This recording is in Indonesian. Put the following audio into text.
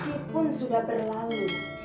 meskipun sudah berlalu